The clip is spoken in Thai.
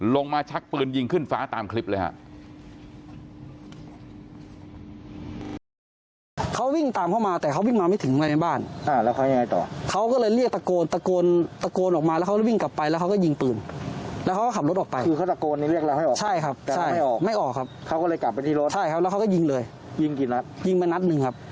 มาชักปืนยิงขึ้นฟ้าตามคลิปเลยครับ